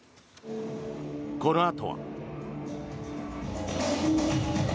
このあとは。